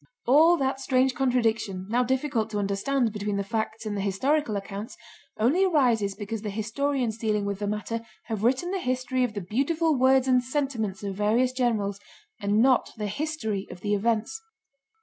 All that strange contradiction now difficult to understand between the facts and the historical accounts only arises because the historians dealing with the matter have written the history of the beautiful words and sentiments of various generals, and not the history of the events.